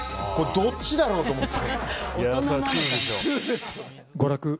どっちだろうって思って。